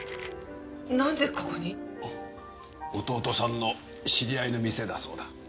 弟さんの知り合いの店だそうだ。